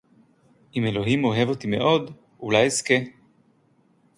אם אלוהים אוהב אותי מאוד, אולי אזכה